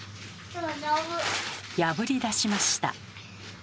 破りだしました。